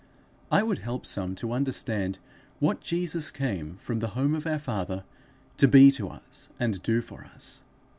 I would help some to understand what Jesus came from the home of our Father to be to us and do for us.